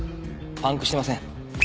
パンクしてません。